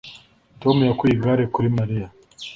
Tom yakuye igare kuri Mariya